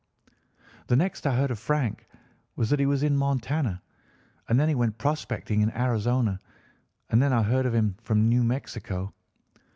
"The next I heard of Frank was that he was in Montana, and then he went prospecting in Arizona, and then I heard of him from New Mexico.